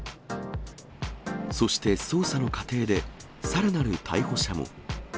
そして捜査の過程で、さらなる逮捕者も。